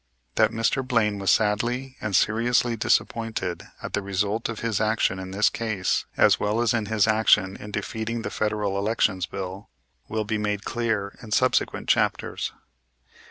That Mr. Blaine was sadly and seriously disappointed at the result of his action in this case, as well as in his action in defeating the Federal Elections Bill, will be made clear in subsequent chapters.